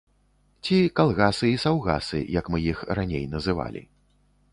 Ці калгасы і саўгасы, як мы іх раней называлі.